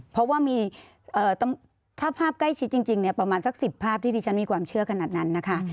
เพราะว่ามีถ้าภาพใกล้ชิดจริงเนี่ยประมาณสัก๑๐ภาพที่ที่ฉันมีความเชื่อขนาดนั้นนะคะ